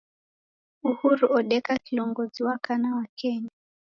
Uhuru odeka kilongozi wa kana wa kenya.